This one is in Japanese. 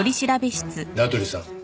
名取さん